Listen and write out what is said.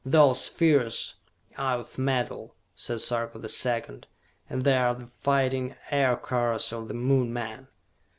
"Those spheres are of metal," said Sarka the Second, "and they are the fighting Aircars of the Moon men!"